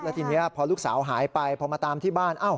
ทีนี้พอลูกสาวหายไปพอมาตามที่บ้าน